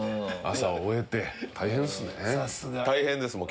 朝終えて大変ですね。